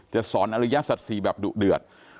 จะสอนอริยศัตว์ศรีแบบดุเดือด